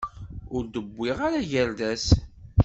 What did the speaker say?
Ur d-wwiɣ ara agerdas.